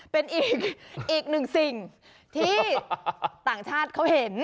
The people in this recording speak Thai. เป็นอีกหนึ่งสิ่งที่ต่างชาติเขาเห็น